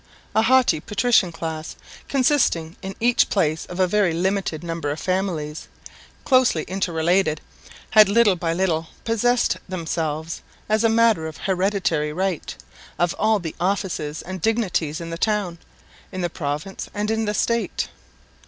A haughty "patrician" class, consisting in each place of a very limited number of families, closely inter related, had little by little possessed themselves, as a matter of hereditary right, of all the offices and dignities in the town, in the province and in the state.